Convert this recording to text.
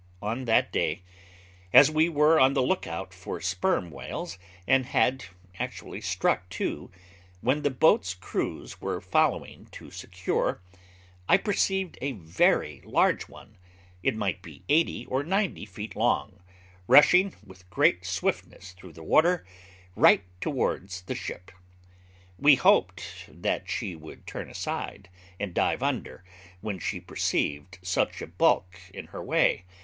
On that day, as we were on the look out for sperm whales, and had actually struck two, which the boats' crews were following to secure, I perceived a very large one it might be eighty or ninety feet long rushing with great swiftness through the water, right towards the ship. We hoped that she would turn aside, and dive under, when she perceived such a baulk in her way.